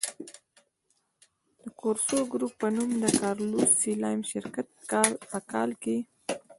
د کورسو ګروپ په نوم د کارلوس سلایم شرکت په کال کې.